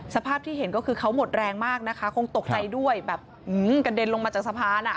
สภาพที่เห็นก็คือเขาหมดแรงมากนะคะคงตกใจด้วยแบบกระเด็นลงมาจากสะพานอ่ะ